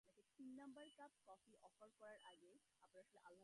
সে শুধুমাত্র একটা ল্যাব্রাড্রর্ক।